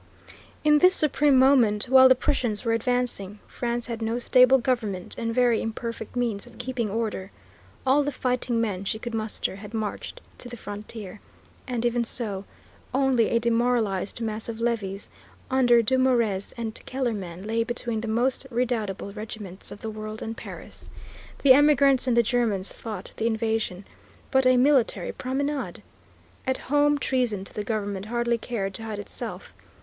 In this supreme moment, while the Prussians were advancing, France had no stable government and very imperfect means of keeping order. All the fighting men she could muster had marched to the frontier, and, even so, only a demoralized mass of levies, under Dumouriez and Kellermann, lay between the most redoutable regiments of the world and Paris. The emigrants and the Germans thought the invasion but a military promenade. At home treason to the government hardly cared to hide itself.